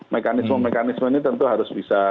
mekanisme mekanisme ini tentu harus bisa